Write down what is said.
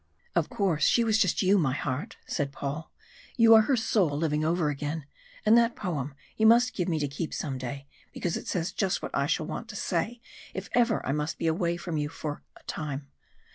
"Of course she was just you, my heart," said Paul. "You are her soul living over again, and that poem you must give me to keep some day, because it says just what I shall want to say if ever I must be away from you for a time.